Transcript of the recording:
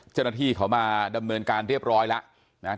เจ้าหน้าที่เขามาดำเนินการเรียบร้อยแล้วนะ